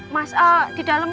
mas al di dalam